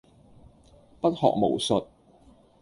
不學無術